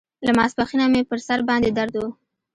له ماسپښينه مې پر سر باندې درد و.